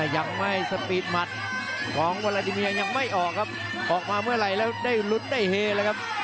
ยังไม่สปีดหมัดของวาลาดิเมียยังไม่ออกครับออกมาเมื่อไหร่แล้วได้ลุ้นได้เฮเลยครับ